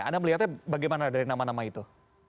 anda melihatnya bagaimana dari nama nama itu